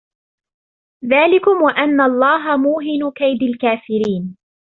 ذَلِكُمْ وَأَنَّ اللَّهَ مُوهِنُ كَيْدِ الْكَافِرِينَ